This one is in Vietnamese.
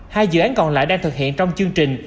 hai dự án còn lại đang thực hiện trong chương trình